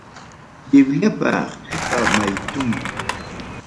Bibliapa qipa maytum.